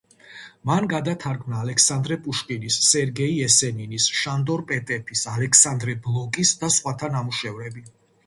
მან გადათარგმნა ალექსანდრე პუშკინის, სერგეი ესენინის, შანდორ პეტეფის, ალექსანდრე ბლოკის და სხვათა ნამუშევრები.